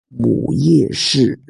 母叶氏。